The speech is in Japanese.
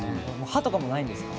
歯とかもないんですか。